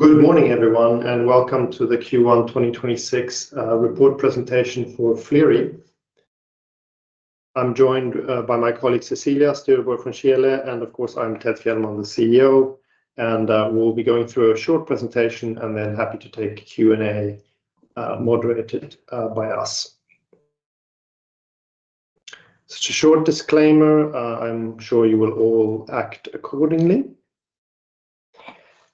Good morning, everyone, and welcome to the Q1 2026 report presentation for Flerie. I'm joined by my colleague, Cecilia Stureborg von Schéele, and of course I'm Ted Fjällman, the CEO. We'll be going through a short presentation and then happy to take Q&A, moderated by us. Just a short disclaimer, I'm sure you will all act accordingly.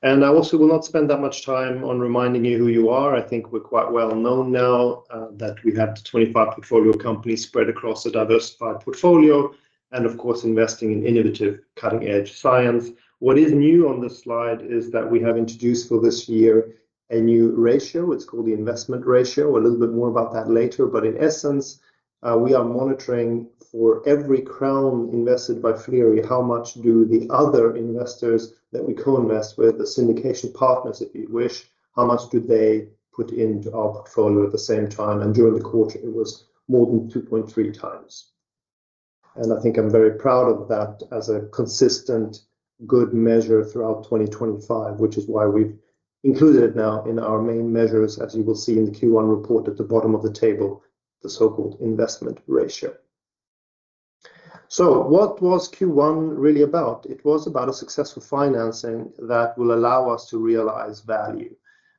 I also will not spend that much time on reminding you who we are. I think we're quite well known now that we have the 25 portfolio companies spread across a diversified portfolio, and of course investing in innovative cutting-edge science. What is new on this slide is that we have introduced for this year a new ratio. It's called the investment ratio. A little bit more about that later. In essence, we are monitoring for every crown invested by Flerie, how much do the other investors that we co-invest with, the syndication partners if you wish, how much do they put into our portfolio at the same time. During the quarter it was more than 2.3x. I think I'm very proud of that as a consistent good measure throughout 2025, which is why we've included it now in our main measures, as you will see in the Q1 report at the bottom of the table, the so-called investment ratio. What was Q1 really about? It was about a successful financing that will allow us to realize value.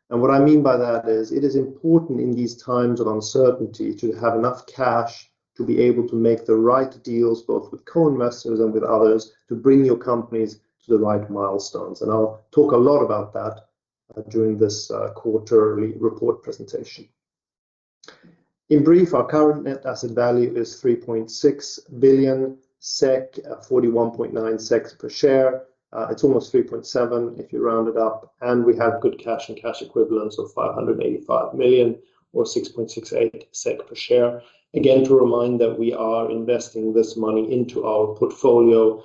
What I mean by that is, it is important in these times of uncertainty to have enough cash to be able to make the right deals, both with co-investors and with others, to bring your companies to the right milestones. I'll talk a lot about that during this quarterly report presentation. In brief, our current net asset value is 3.6 billion SEK, 41.96 SEK per share. It's almost 3.7 if you round it up, and we have good cash and cash equivalents of 585 million or 6.68 SEK per share. Again, to remind that we are investing this money into our portfolio,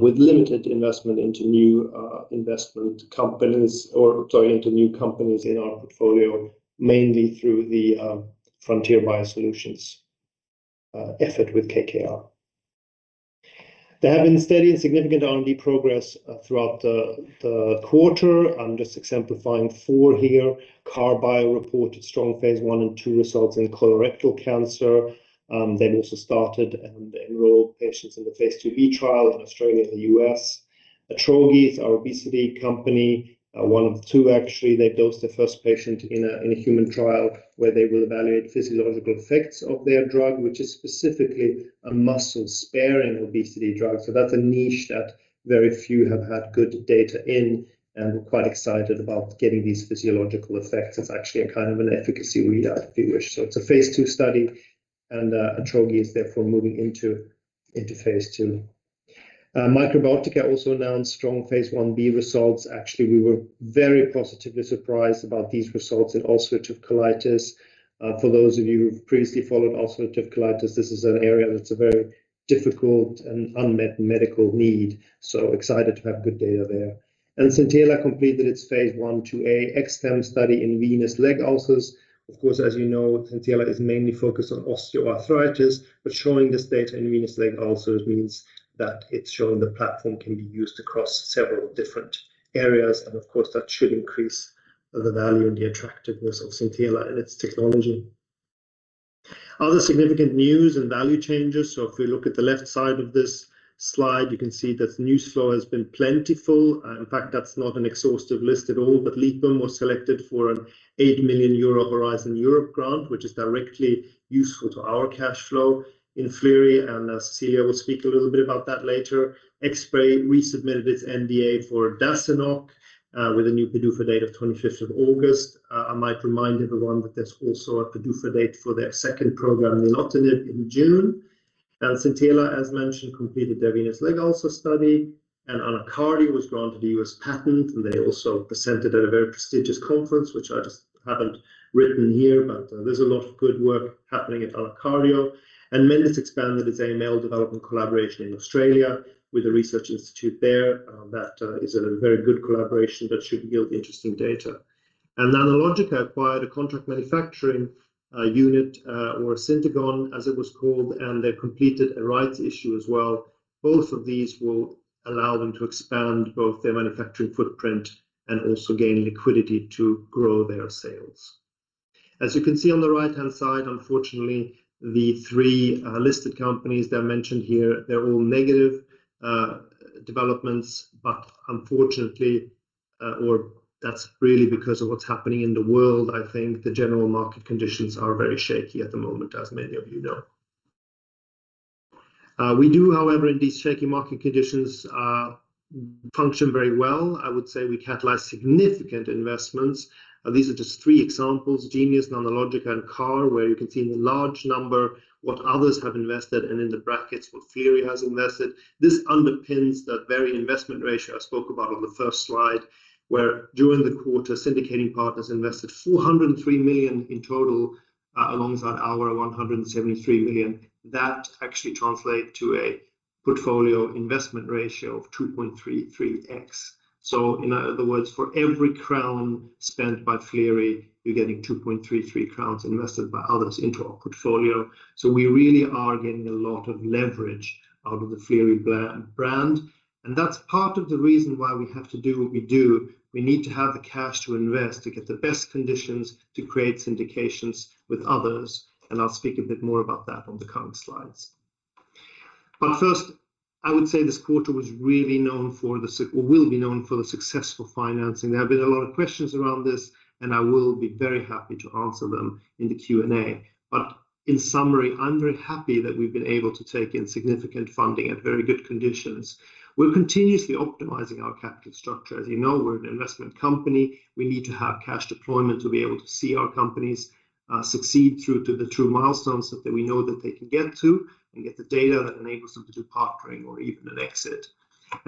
with limited investment into new companies in our portfolio, mainly through the Frontier Biosolutions effort with KKR. There have been steady and significant R&D progress throughout the quarter. I'm just exemplifying four here. KAHR Bio reported strong phase I and phase II results in colorectal cancer. They've also started and enrolled patients in the phase II-B trial in Australia and the U.S. Atrogi, our obesity company, one of two actually, they dosed the first patient in a human trial where they will evaluate physiological effects of their drug, which is specifically a muscle-sparing obesity drug. That's a niche that very few have had good data in, and we're quite excited about getting these physiological effects. It's actually a kind of an efficacy readout if you wish. It's a phase II study and Atrogi is therefore moving into phase II. Microbiotica also announced strong phase I-B results. Actually, we were very positively surprised about these results in ulcerative colitis. For those of you who've previously followed ulcerative colitis, this is an area that's a very difficult and unmet medical need. Excited to have good data there. Xintela completed its phase I/IIa XSTEM study in venous leg ulcers. Of course, as you know, Xintela is mainly focused on osteoarthritis, but showing this data in venous leg ulcers means that it's showing the platform can be used across several different areas, and of course that should increase the value and the attractiveness of Xintela and its technology. Other significant news and value changes. If we look at the left side of this slide, you can see that news flow has been plentiful. In fact, that's not an exhaustive list at all. Lipum was selected for an 8 million euro Horizon Europe grant, which is directly useful to our cash flow in Flerie, and Cecilia will speak a little bit about that later. Xspray Pharma resubmitted its NDA for Dasynoc with a new PDUFA date of 25th of August. I might remind everyone that there's also a PDUFA date for their second program, nilotinib, in June. Xintela, as mentioned, completed their venous leg ulcer study, and AnaCardio was granted a U.S. patent, and they also presented at a very prestigious conference, which I just haven't written here. There's a lot of good work happening at AnaCardio. Mendus expanded its AML development collaboration in Australia with a research institute there, that is a very good collaboration that should yield interesting data. Nanologica acquired a contract manufacturing unit, or Syntegon as it was called, and they completed a rights issue as well. Both of these will allow them to expand both their manufacturing footprint and also gain liquidity to grow their sales. As you can see on the right-hand side, unfortunately, the three listed companies that are mentioned here, they're all negative developments, but unfortunately, or that's really because of what's happening in the world. I think the general market conditions are very shaky at the moment, as many of you know. We do, however, in these shaky market conditions, function very well. I would say we catalyze significant investments. These are just three examples. Genius, Nanologica, and CarMedical, where you can see in the large number what others have invested, and in the brackets what Flerie has invested. This underpins that very investment ratio I spoke about on the first slide, where during the quarter, syndicating partners invested 403 million in total alongside our 173 million. That actually translate to a portfolio investment ratio of 2.33x. In other words, for every SEK spent by Flerie, you're getting 2.33 crowns invested by others into our portfolio. We really are getting a lot of leverage out of the Flerie brand. That's part of the reason why we have to do what we do. We need to have the cash to invest to get the best conditions to create syndications with others, and I'll speak a bit more about that on the coming slides. First, I would say this quarter will be known for the successful financing. There have been a lot of questions around this, and I will be very happy to answer them in the Q&A. In summary, I'm very happy that we've been able to take in significant funding at very good conditions. We're continuously optimizing our capital structure. As you know, we're an investment company. We need to have cash deployment to be able to see our companies succeed through to the true milestones that we know that they can get to and get the data that enables them to do partnering or even an exit.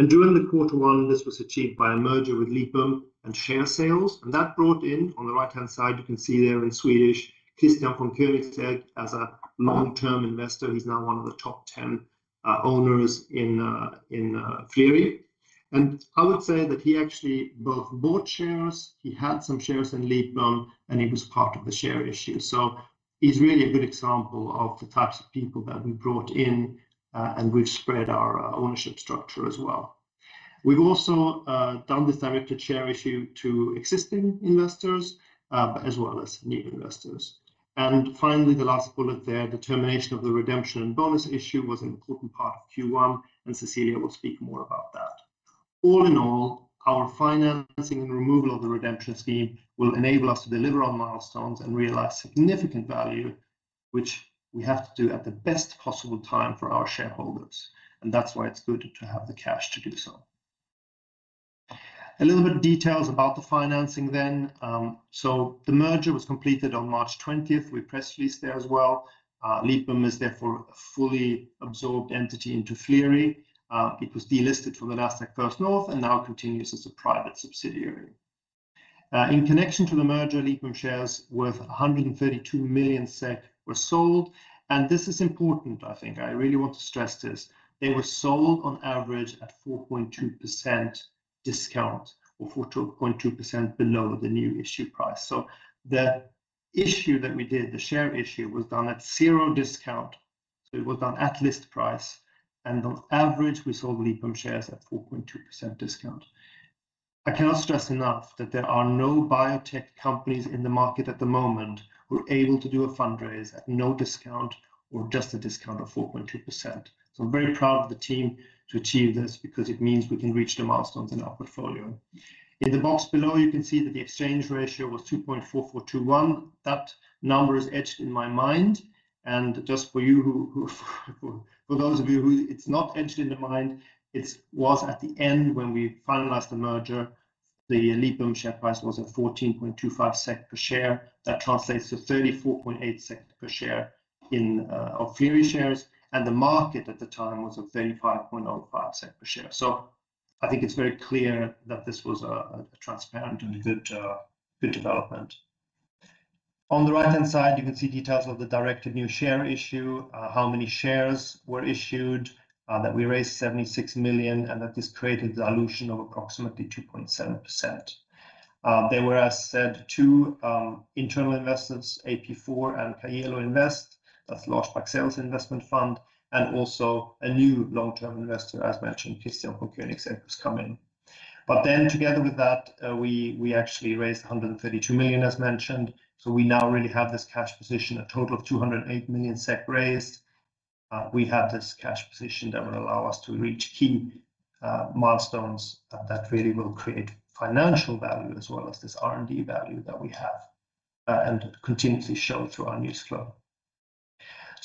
During the quarter one, this was achieved by a merger with Lipum and share sales. That brought in, on the right-hand side, you can see there in Swedish, Christian von Koenigsegg as a long-term investor. He's now one of the top 10 owners in Flerie. I would say that he actually both bought shares, he had some shares in Lipum, and he was part of the share issue. He's really a good example of the types of people that we brought in, and we've spread our ownership structure as well. We've also done this directed share issue to existing investors, as well as new investors. Finally, the last bullet there, the termination of the redemption and bonus issue was an important part of Q1, and Cecilia will speak more about that. All in all, our financing and removal of the redemption scheme will enable us to deliver on milestones and realize significant value, which we have to do at the best possible time for our shareholders. That's why it's good to have the cash to do so. A little bit of details about the financing then. The merger was completed on March 20th. We press released there as well. Lipum is therefore a fully absorbed entity into Flerie. It was delisted from the Nasdaq First North and now continues as a private subsidiary. In connection to the merger, Lipum shares worth 132 million SEK were sold. This is important, I think. I really want to stress this. They were sold on average at 4.2% discount or 4.2% below the new issue price. The issue that we did, the share issue, was done at zero discount. It was done at list price, and on average, we sold Lipum shares at 4.2% discount. I cannot stress enough that there are no biotech companies in the market at the moment who are able to do a fundraise at no discount or just a discount of 4.2%. I'm very proud of the team to achieve this because it means we can reach the milestones in our portfolio. In the box below, you can see that the exchange ratio was 2.4421. That number is etched in my mind. Just for those of you who it's not etched in the mind, it was at the end when we finalized the merger, the Lipum share price was at 14.25 SEK per share. That translates to 34.8 SEK per share in our Flerie shares. The market at the time was at 35.05 SEK per share. I think it's very clear that this was a transparent and a good development. On the right-hand side, you can see details of the directed new share issue, how many shares were issued, that we raised 76 million, and that this created dilution of approximately 2.7%. There were, as said, two internal investors, AP4 and Paeilo Invest. That's Lars Backsell's investment fund, and also a new long-term investor, as mentioned, Christian von Koenigsegg has come in. Together with that, we actually raised 132 million as mentioned. We now really have this cash position, a total of 208 million SEK raised. We have this cash position that will allow us to reach key milestones that really will create financial value as well as this R&D value that we have, and continuously show through our news flow.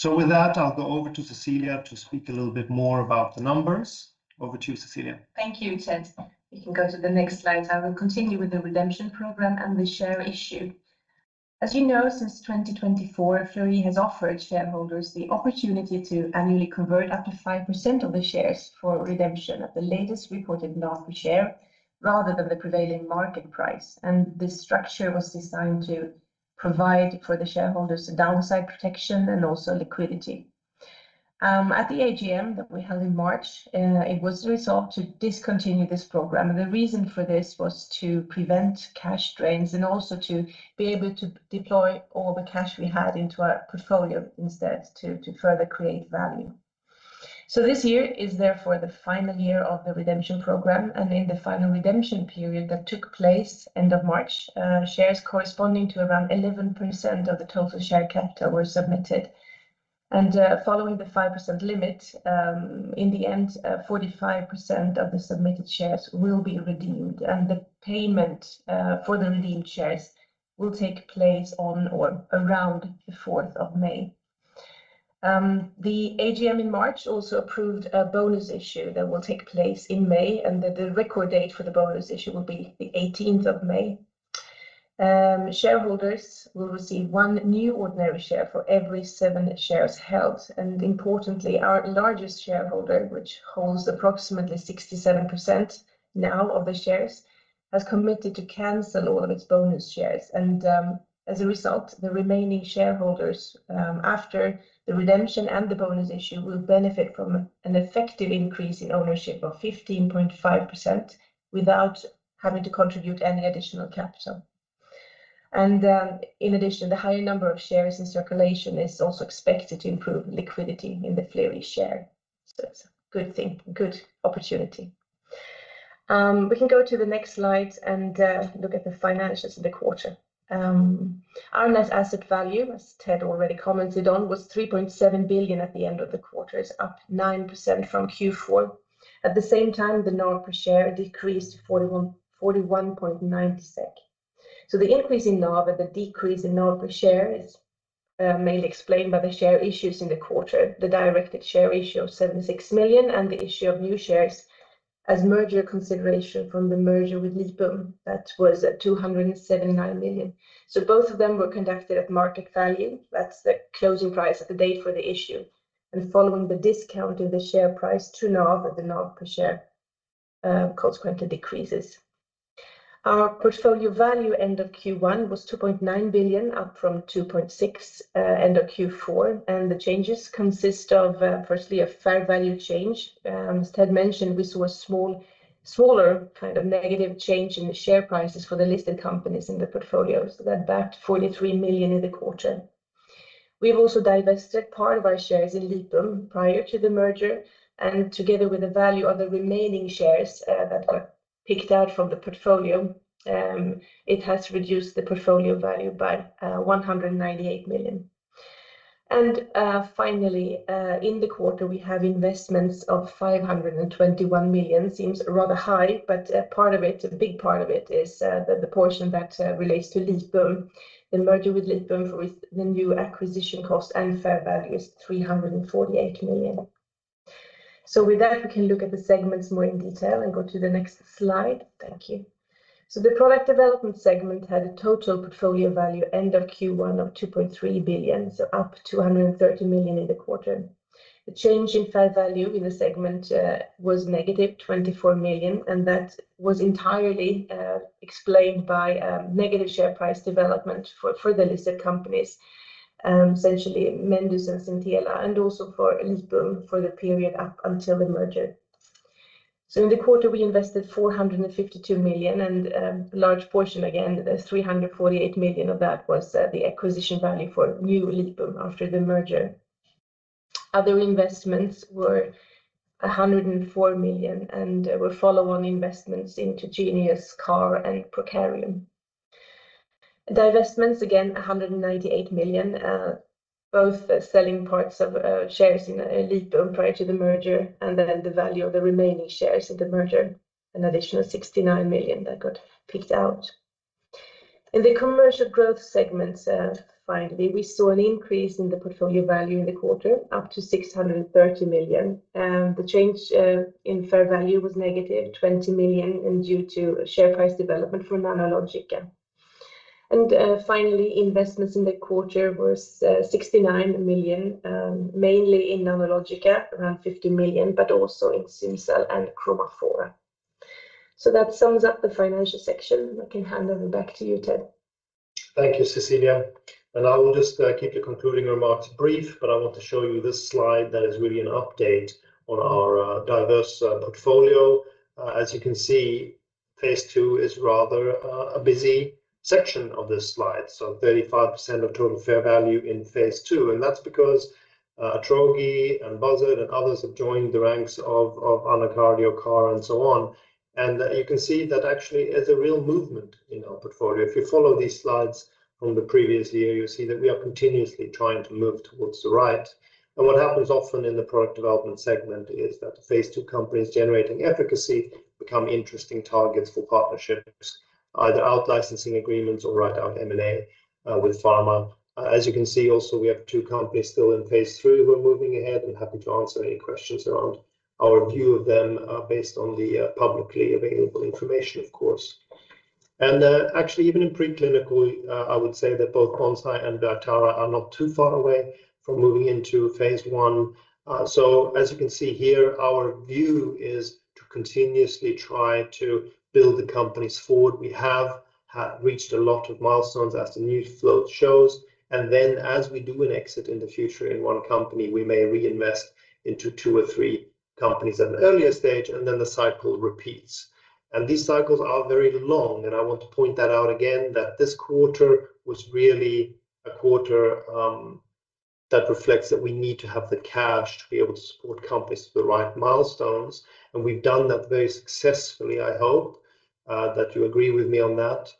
With that, I'll go over to Cecilia to speak a little bit more about the numbers. Over to you, Cecilia. Thank you, Ted. You can go to the next slide. I will continue with the redemption program and the share issue. As you know, since 2024, Flerie has offered shareholders the opportunity to annually convert up to 5% of the shares for redemption at the latest reported NAV per share rather than the prevailing market price. This structure was designed to provide for the shareholders a downside protection and also liquidity. At the AGM that we held in March, it was resolved to discontinue this program. The reason for this was to prevent cash drains and also to be able to deploy all the cash we had into our portfolio instead to further create value. This year is therefore the final year of the redemption program, and in the final redemption period that took place end of March, shares corresponding to around 11% of the total share capital were submitted. Following the 5% limit, in the end, 45% of the submitted shares will be redeemed. The payment for the redeemed shares will take place on or around the 4th of May. The AGM in March also approved a bonus issue that will take place in May, and the record date for the bonus issue will be the 18th of May. Shareholders will receive one new ordinary share for every seven shares held. Importantly, our largest shareholder, which holds approximately 67% now of the shares, has committed to cancel all of its bonus shares. As a result, the remaining shareholders after the redemption and the bonus issue will benefit from an effective increase in ownership of 15.5% without having to contribute any additional capital. In addition, the higher number of shares in circulation is also expected to improve liquidity in the Flerie share. It's a good thing, good opportunity. We can go to the next slide and look at the financials of the quarter. Our net asset value, as Ted already commented on, was 3.7 billion at the end of the quarter. It's up 9% from Q4. At the same time, the NAV per share decreased 41.90. The increase in NAV and the decrease in NAV per share is mainly explained by the share issues in the quarter, the directed share issue of 76 million, and the issue of new shares as merger consideration from the merger with Lipum. That was at 279 million. Both of them were conducted at market value. That's the closing price at the date for the issue. Following the discount of the share price to NAV, the NAV per share consequently decreases. Our portfolio value end of Q1 was 2.9 billion, up from 2.6 billion end of Q4. The changes consist of firstly, a fair value change. As Ted mentioned, we saw a smaller kind of negative change in the share prices for the listed companies in the portfolio. That impacted 43 million in the quarter. We've also divested part of our shares in Lipum prior to the merger, and together with the value of the remaining shares that got picked out from the portfolio, it has reduced the portfolio value by 198 million. Finally, in the quarter, we have investments of 521 million. seems rather high, but a big part of it is the portion that relates to Lipum. The merger with Lipum with the new acquisition cost and fair value is 348 million. With that, we can look at the segments more in detail and go to the next slide. Thank you. The Product Development segment had a total portfolio value end of Q1 of 2.3 billion, so up 230 million in the quarter. The change in fair value in the segment was -24 million, and that was entirely explained by negative share price development for the listed companies, essentially Mendus and Xintela, and also for Lipum for the period up until the merger. In the quarter, we invested 452 million and a large portion again, the 348 million of that was the acquisition value for new Lipum after the merger. Other investments were 104 million and were follow-on investments into Genius, CAR, and Prokarium. Divestments, again, 198 million, both selling parts of shares in Lipum prior to the merger and then the value of the remaining shares in the merger, an additional 69 million that got picked out. In the Commercial Growth segment, finally, we saw an increase in the portfolio value in the quarter up to 630 million. The change in fair value was -20 million and due to share price development for Nanologica. Finally, investments in the quarter was 69 million, mainly in Nanologica, around 50 million, but also in XIMSCEL and Chromafora. That sums up the financial section. I can hand over back to you, Ted. Thank you, Cecilia. I will just keep the concluding remarks brief, but I want to show you this slide that is really an update on our diverse portfolio. As you can see, phase II is rather a busy section of this slide. 35% of total fair value in phase II. That's because Atrogi and Buzzard and others have joined the ranks of AnaCardio, CarMedical and so on. You can see that actually is a real movement in our portfolio. If you follow these slides from the previous year, you'll see that we are continuously trying to move towards the right. What happens often in the Product Development segment is that phase II companies generating efficacy become interesting targets for partnerships, either out-licensing agreements or outright M&A with pharma. As you can see also, we have two companies still in phase III who are moving ahead and happy to answer any questions around our view of them based on the publicly available information, of course. Actually, even in preclinical, I would say that both Bonsai and Atrogi are not too far away from moving into phase I. As you can see here, our view is to continuously try to build the companies forward. We have reached a lot of milestones as the news flow shows, and then as we do an exit in the future in one company, we may reinvest into two or three companies at an earlier stage, and then the cycle repeats. These cycles are very long. I want to point that out again that this quarter was really a quarter that reflects that we need to have the cash to be able to support companies to the right milestones. We've done that very successfully. I hope that you agree with me on that.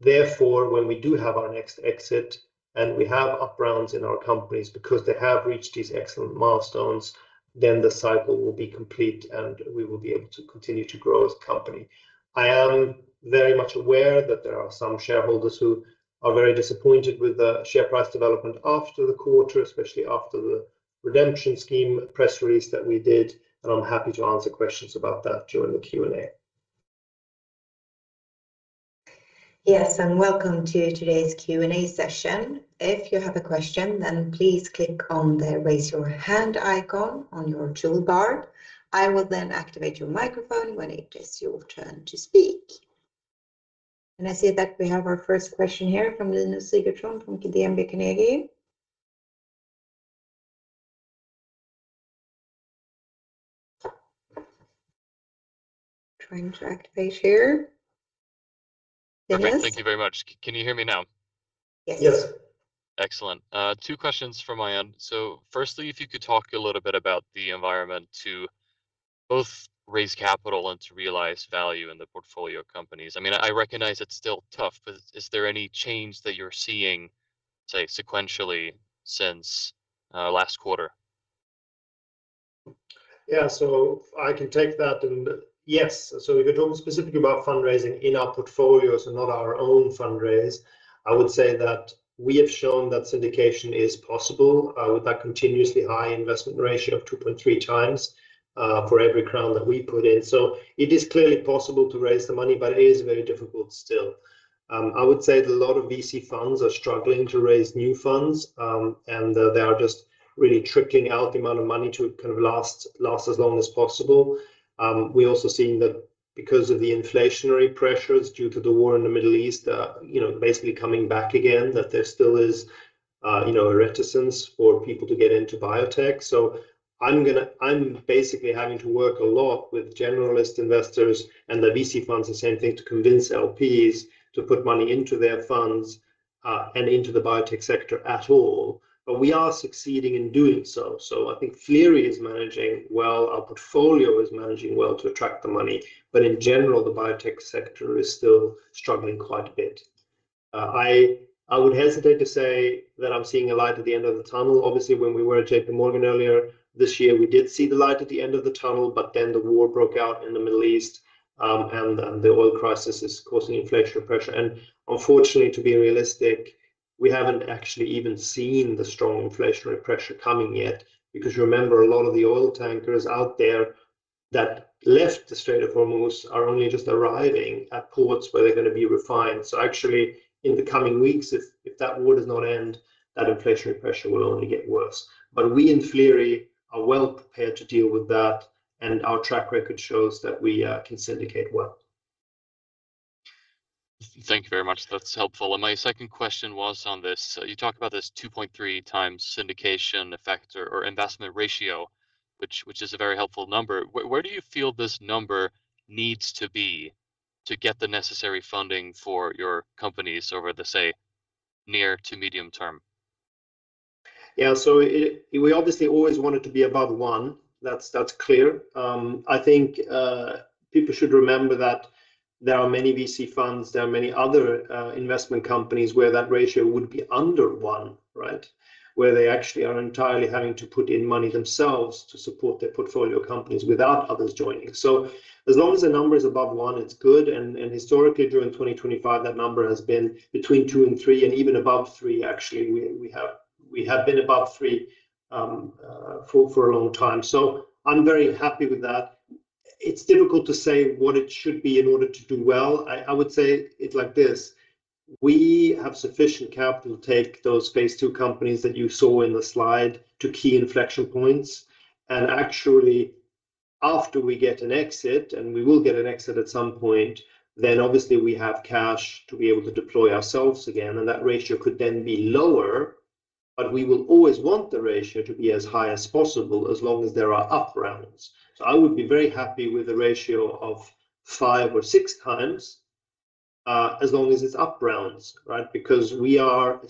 Therefore, when we do have our next exit and we have up rounds in our companies because they have reached these excellent milestones, then the cycle will be complete, and we will be able to continue to grow as a company. I am very much aware that there are some shareholders who are very disappointed with the share price development after the quarter, especially after the redemption scheme press release that we did, and I'm happy to answer questions about that during the Q&A. Yes, welcome to today's Q&A session. If you have a question, then please click on the raise your hand icon on your toolbar. I will then activate your microphone when it is your turn to speak. I see that we have our first question here from Linus Sigurdson from DNB Carnegie. I am trying to activate here. Linus? Great. Thank you very much. Can you hear me now? Yes. Excellent. Two questions from my end. Firstly, if you could talk a little bit about the environment to both raise capital and to realize value in the portfolio companies. I recognize it's still tough, but is there any change that you're seeing, say, sequentially since last quarter? Yeah. I can take that. Yes, if you're talking specifically about fundraising in our portfolios and not our own fundraise, I would say that we have shown that syndication is possible with that continuously high investment ratio of 2.3x for every crown that we put in. It is clearly possible to raise the money, but it is very difficult still. I would say that a lot of VC funds are struggling to raise new funds, and they are just really trickling out the amount of money to last as long as possible. We're also seeing that because of the inflationary pressures due to the war in the Middle East, basically coming back again, that there still is a reticence for people to get into biotech. I'm basically having to work a lot with generalist investors and the VC funds, the same thing, to convince LPs to put money into their funds, and into the biotech sector at all. We are succeeding in doing so. I think Flerie is managing well. Our portfolio is managing well to attract the money. In general, the biotech sector is still struggling quite a bit. I would hesitate to say that I'm seeing a light at the end of the tunnel. Obviously, when we were at JPMorgan earlier this year, we did see the light at the end of the tunnel, but then the war broke out in the Middle East, and the oil crisis is causing inflationary pressure. Unfortunately, to be realistic, we haven't actually even seen the strong inflationary pressure coming yet. Because you remember, a lot of the oil tankers out there that left the Strait of Hormuz are only just arriving at ports where they're going to be refined. Actually, in the coming weeks, if that war does not end, that inflationary pressure will only get worse. We in Flerie are well prepared to deal with that, and our track record shows that we can syndicate well. Thank you very much. That's helpful. My second question was on this. You talk about this 2.3x syndication effect or investment ratio, which is a very helpful number. Where do you feel this number needs to be to get the necessary funding for your companies over the, say, near to medium term? Yeah. We obviously always want it to be above one. That's clear. I think people should remember that there are many VC funds, there are many other investment companies where that ratio would be under one, right, where they actually are entirely having to put in money themselves to support their portfolio companies without others joining. As long as the number is above one, it's good, and historically, during 2025, that number has been between two and three and even above three, actually. We have been above three for a long time. I'm very happy with that. It's difficult to say what it should be in order to do well. I would say it like this. We have sufficient capital to take those phase II companies that you saw in the slide to key inflection points. Actually, after we get an exit, and we will get an exit at some point, then obviously we have cash to be able to deploy ourselves again. That ratio could then be lower. We will always want the ratio to be as high as possible as long as there are up rounds. I would be very happy with a ratio of 5x or 6x, as long as it's up rounds, right? Because people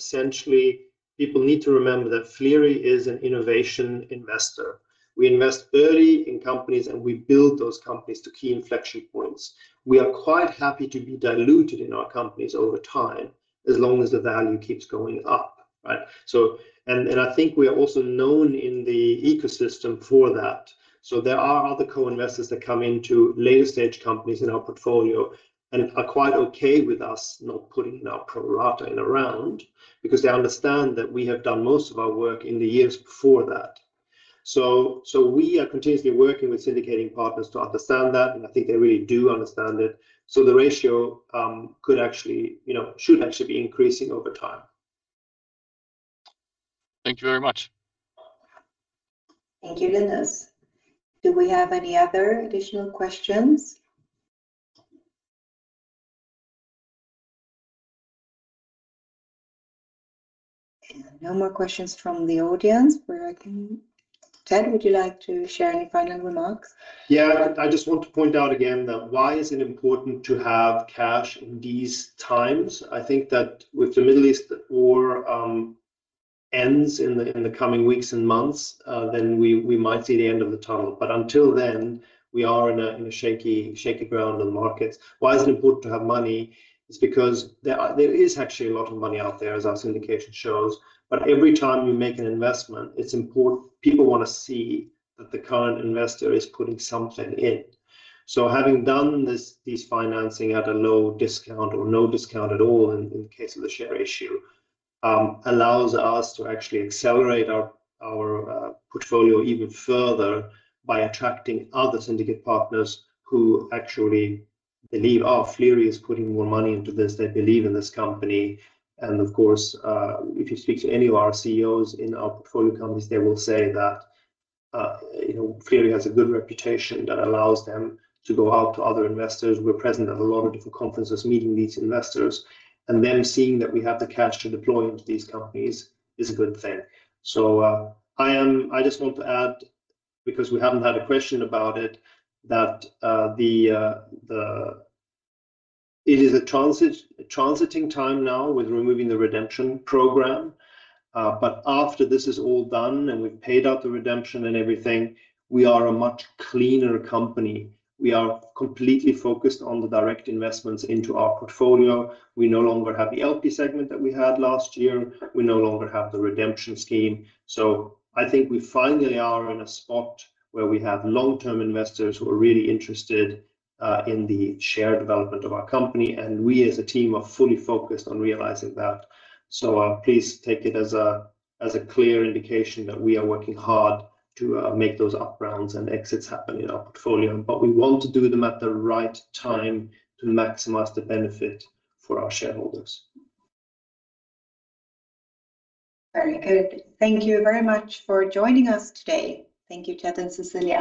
need to remember that Flerie is an innovation investor. We invest early in companies, and we build those companies to key inflection points. We are quite happy to be diluted in our companies over time, as long as the value keeps going up, right? I think we are also known in the ecosystem for that. There are other co-investors that come into later-stage companies in our portfolio and are quite okay with us not putting our pro rata in a round because they understand that we have done most of our work in the years before that. We are continuously working with syndicating partners to understand that, and I think they really do understand it. The ratio should actually be increasing over time. Thank you very much. Thank you, Linus. Do we have any other additional questions? No more questions from the audience. Ted, would you like to share any final remarks? Yeah. I just want to point out again that why is it important to have cash in these times? I think that if the Middle East war ends in the coming weeks and months, then we might see the end of the tunnel. Until then, we are in a shaky ground in the markets. Why is it important to have money? It's because there is actually a lot of money out there, as our syndication shows. Every time you make an investment, it's important. People want to see that the current investor is putting something in. Having done these financing at a low discount or no discount at all in case of the share issue, allows us to actually accelerate our portfolio even further by attracting other syndicate partners who actually believe, oh, Flerie is putting more money into this. They believe in this company. Of course, if you speak to any of our CEOs in our portfolio companies, they will say that Flerie has a good reputation that allows them to go out to other investors. We're present at a lot of different conferences, meeting these investors, and them seeing that we have the cash to deploy into these companies is a good thing. I just want to add, because we haven't had a question about it, that it is a transiting time now with removing the redemption program. After this is all done and we've paid out the redemption and everything, we are a much cleaner company. We are completely focused on the direct investments into our portfolio. We no longer have the LP segment that we had last year. We no longer have the redemption scheme. I think we finally are in a spot where we have long-term investors who are really interested in the share development of our company, and we as a team are fully focused on realizing that. Please take it as a clear indication that we are working hard to make those up rounds and exits happen in our portfolio, but we want to do them at the right time to maximize the benefit for our shareholders. Very good. Thank you very much for joining us today. Thank you, Ted and Cecilia.